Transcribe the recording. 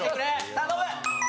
頼む！